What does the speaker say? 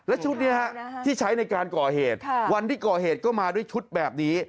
และชุดนี้ที่ใช้ในการก่อเหตุวันที่ก่อเหตุก็มาด้วยชุดแบบนี้